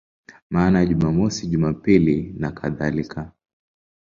Maana ya Jumamosi, Jumapili nakadhalika.